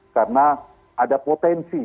karena ada potensi